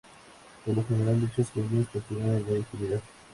Por lo general, dichos crímenes continúan en la impunidad.